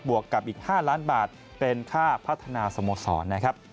วกกับอีก๕ล้านบาทเป็นค่าพัฒนาสโมสรนะครับ